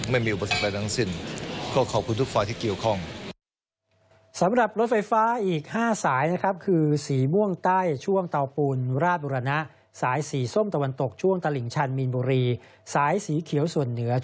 ไม่มีอุปสรรคอะไรทั้งสิ้น